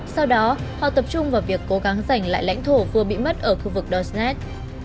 sau đó họ tập trung vào việc cố gắng giành lại lãnh thổ vừa bị mất ở khu vực donsonet